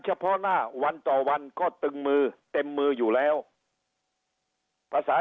เฉพาะหน้าวันต่อวันก็ตึงมือเต็มมืออยู่แล้วภาษา